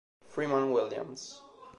Freeman Williams